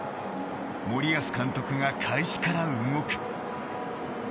森保監督が開始から動く。